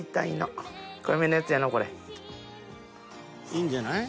［いいんじゃない？］